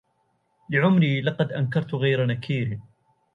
لعمري لقد أنكرت غير نكير